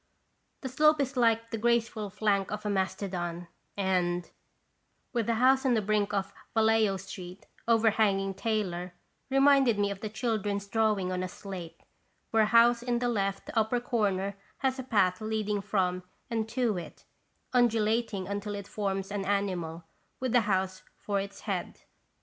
206 & Gracious Visitation. The slope is like the graceful flank of a mastodon, and, with the house on the brink of Vallejo street, overhanging Taylor, re minded me of the children's drawing on a slate, where a house in the left upper corner has a path leading from and to it, undulating until it forms an animal, with the house for its head.